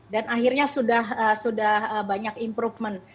dan akhirnya sudah banyak improvement